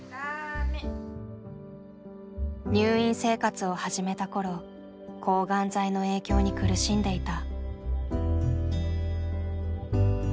入院生活を始めた頃抗がん剤の影響に苦しんでいた。